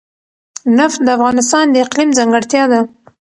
نفت د افغانستان د اقلیم ځانګړتیا ده.